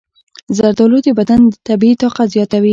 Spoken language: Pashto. زردآلو د بدن طبیعي طاقت زیاتوي.